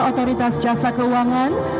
otoritas jasa keuangan